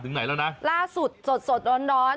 ถึงไหนแล้วนะล่าสุดสดด้อน